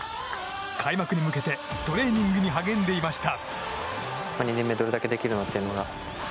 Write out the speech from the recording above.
開幕に向けてトレーニングに励んでいました。